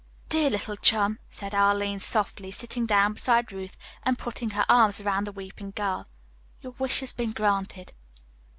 "Dear little chum," said Arline softly, sitting down beside Ruth and putting her arms around the weeping girl, "your wish has been granted."